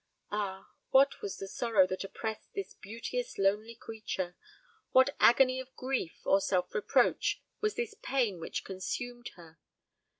Ah, what was the sorrow that oppressed this beauteous lonely creature? What agony of grief or self reproach was this pain which consumed her?